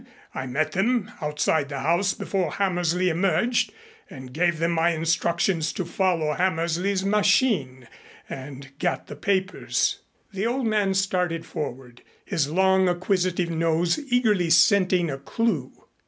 I met them outside the house before Hammersley emerged and gave them my instructions to follow Hammersley's machine and get the papers." The older man started forward, his long acquisitive nose eagerly scenting a clue.